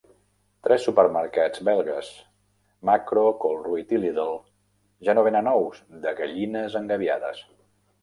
Tres supermercats belgues: Makro, Colruyt i Lidl, ja no venen ous de gallines engabiades.